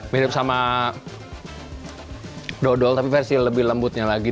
mirip sama dodol tapi versi lebih lembutnya lagi